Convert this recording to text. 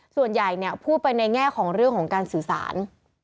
ส่วนใหญ่พูดไปในแง่ของเรื่องของการสื่อสาร